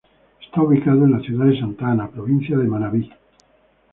Está ubicado en la ciudad de Santa Ana, provincia de Manabí.